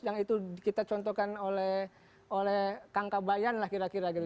yang itu kita contohkan oleh kang kabayan lah kira kira gitu